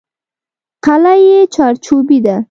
قلعه یې چارچوبي ده.